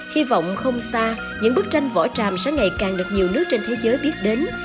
hy vọng không xa những bức tranh vỏ tràm sẽ ngày càng được nhiều nước trên thế giới biết đến